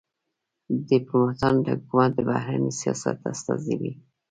ډيپلوماټان د حکومت د بهرني سیاست استازي وي.